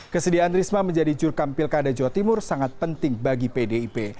kesediaan risma menjadi jurkam pilkada jawa timur sangat penting bagi pdip